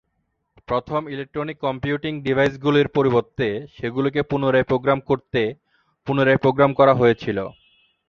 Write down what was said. প্রথম "electronic computing ডিভাইসগুলির পরিবর্তে সেগুলিকে পুনরায় প্রোগ্রাম করতে" পুনরায় প্রোগ্রাম করা হয়েছিল।